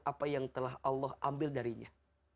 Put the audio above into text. apa yang telah allah ambil darinya